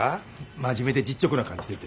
真面目で実直な感じ出て。